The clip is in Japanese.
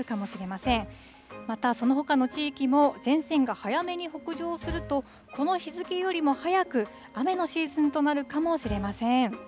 また、そのほかの地域も、前線が早めに北上すると、この日付よりも早く雨のシーズンとなるかもしれません。